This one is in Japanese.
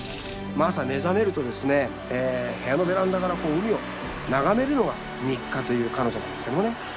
まあ朝目覚めると部屋のベランダからこう海を眺めるのが日課という彼女なんですけどもね。